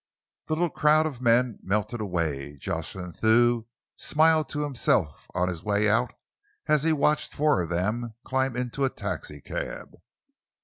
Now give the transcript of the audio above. The little crowd of men melted away. Jocelyn Thew smiled to himself on his way out, as he watched four of them climb into a taxicab.